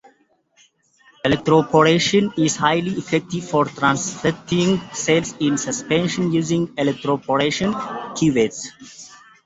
Electroporation is highly effective for transfecting cells in suspension using electroporation cuvettes.